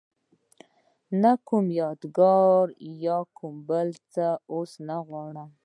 نه کوم یادګار یا بل څه ځکه اوس نه غواړم.